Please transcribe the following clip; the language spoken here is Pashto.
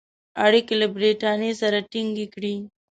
اړیکي له برټانیې سره تینګ کړي.